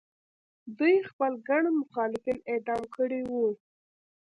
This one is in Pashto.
دوی خپل ګڼ مخالفین اعدام کړي وو.